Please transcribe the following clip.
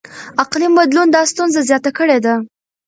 اقلیم بدلون دا ستونزه زیاته کړې ده.